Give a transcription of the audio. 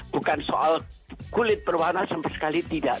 bukan soal kulit berwarna sama sekali tidak